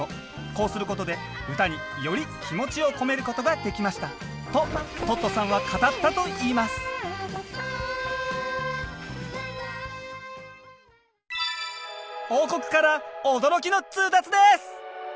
こうすることで歌により気持ちを込めることができましたとトットさんは語ったといいます王国から驚きの通達です！